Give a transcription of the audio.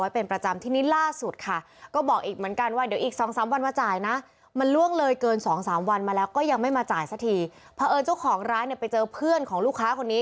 เพราะเอิญเจ้าของร้านเนี่ยไปเจอเพื่อนของลูกค้าคนนี้